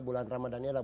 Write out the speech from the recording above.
bulan ramadannya adalah